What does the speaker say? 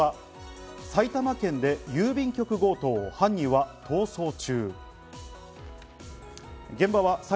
さあ続いては埼玉県で郵便局強盗、犯人は逃走中。